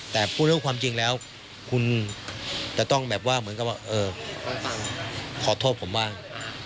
แต่พูดเรื่องความจริงแล้วคุณจะต้องแบบว่าเหมือนกับว่าขอโทษผมบ้าง